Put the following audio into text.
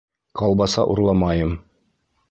Колбаса урламайым.